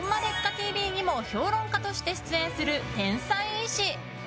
ＴＶ」にも評論家として出演する天才医師。